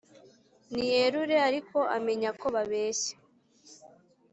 niyerure ariko amenya ko babeshya